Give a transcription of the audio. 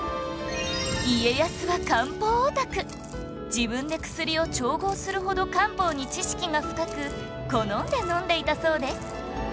自分で薬を調合するほど漢方に知識が深く好んで飲んでいたそうです